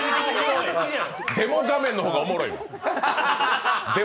デモ画面の方がおもろいわ。